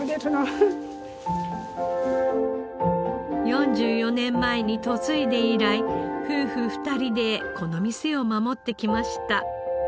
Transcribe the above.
４４年前に嫁いで以来夫婦２人でこの店を守ってきました。